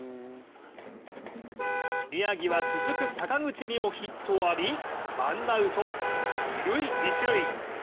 宮城は続く坂口にもヒットを浴びワンアウト、二・一塁。